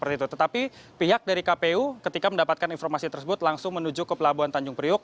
tetapi pihak dari kpu ketika mendapatkan informasi tersebut langsung menuju ke pelabuhan tanjung priuk